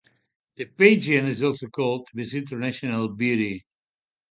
The pageant is also called "Miss International Beauty".